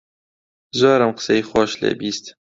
زۆرم قسەی خۆش لێ بیست